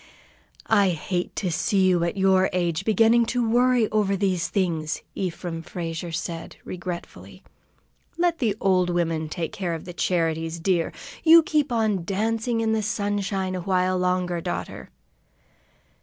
"I hate to see you at your age, beginning to worry over these things," Ephraim Frazier said, regretfully. "Let the old women take care of the charities, dear. You keep on dancing in the sunshine a while longer, daughter."